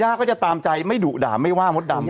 ก็จะตามใจไม่ดุด่าไม่ว่ามดดำ